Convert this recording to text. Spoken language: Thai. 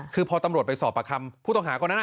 คือพอตำรวจไปสอบประคำผู้ต้องหาคนนั้น